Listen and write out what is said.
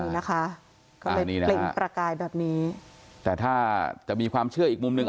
นี่นะคะก็เลยเปล่งประกายแบบนี้แต่ถ้าจะมีความเชื่ออีกมุมหนึ่ง